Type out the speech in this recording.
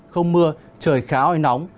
không mưa trời khá oi nóng